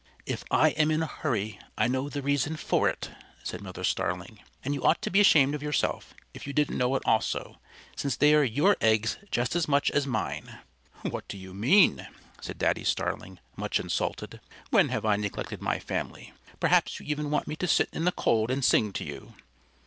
"If I am in a hurry, I know the reason for it," said Mother Starling. "And you ought to be ashamed of yourself if you didn't know it also, since they are your eggs just as much as mine." "What do you mean?" said Daddy Starling, much insulted. "When have I neglected my family? Perhaps you even want me to sit in the cold and sing to you?"